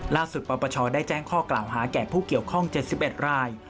ปปชได้แจ้งข้อกล่าวหาแก่ผู้เกี่ยวข้อง๗๑ราย